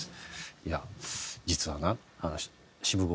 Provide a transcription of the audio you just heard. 「いや実はな渋公